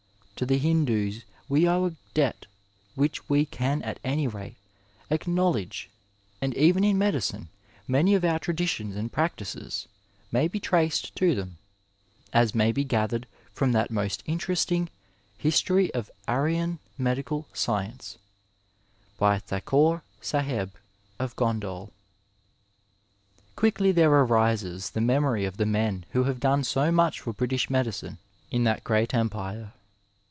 To the Hindoos we owe a debt which we can at any rate acknow* ledge ; and even in medicine, many of our traditkms and practices may be traced to them, as may be gathered from that most interesting History of Aryan Ueikal Soienoe^ by the Thakore Saheb of Gondal. Quickly there arises the memory of the men who have done so much for British medicine in that great empire.